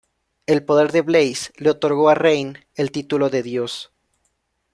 El poder de Blaze le otorgo a Rain el título de Dios.